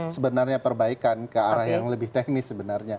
sebenarnya perbaikan ke arah yang lebih teknis sebenarnya